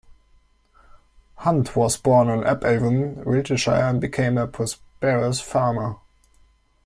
Hunt was born in Upavon, Wiltshire and became a prosperous farmer.